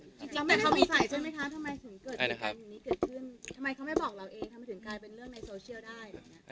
แล้วมีสายใช่มั้ยคะทำไมถึงเกิดแบบนี้เกิดขึ้นทำไมเขาไม่บอกเราเองทำไมถึงกลายเป็นเรื่องในโซเชียลได้